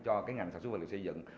cho ngành sản xuất và lực xây dựng